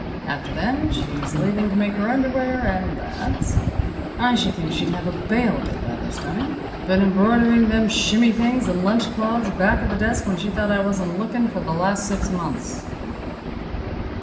After then she's leaving to make her underwear, and that. I should think she'd have a bale of it by this time. Been embroidering them shimmy things and lunch cloths back of the desk when she thought I wasn't lookin' for the last six months."